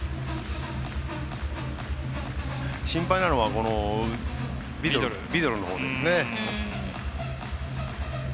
心配なのは、ビドルのほうですね。